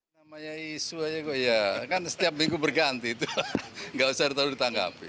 namanya isu aja kok ya kan setiap minggu berganti gak usah ditanggapi